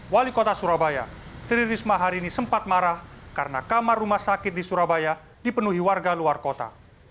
wali kota surabaya tri risma hari ini sempat marah karena kamar rumah sakit di surabaya dipenuhi warga luar kota